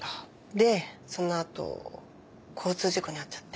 でその後交通事故に遭っちゃって。